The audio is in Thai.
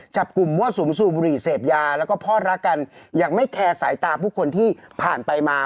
จับกลุ่มมั่วสุมสูบบุหรี่เสพยาแล้วก็พ่อรักกันอย่างไม่แคร์สายตาผู้คนที่ผ่านไปมา